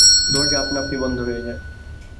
দরজা আপনা-আপনি বন্ধ হয়ে যায়।